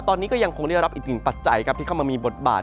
ตอนนี้ก็ยังคงได้รับอีกหนึ่งปัจจัยครับที่เข้ามามีบทบาท